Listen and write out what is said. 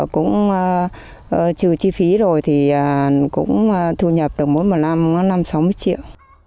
cũng trừ chi phí rồi thì cũng thu nhập được mỗi một năm mỗi năm sáu mươi triệu